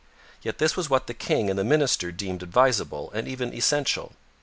Yet this was what the king and the minister deemed advisable and even essential.